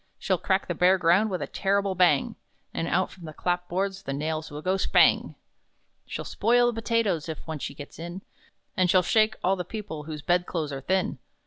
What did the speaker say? She'll crack the bare ground with a terrible bang! And out from the clap boards the nails will go, spang! "She'll spoil the potatoes (if once she gets in), And she'll shake all the people whose bed clothes are thin!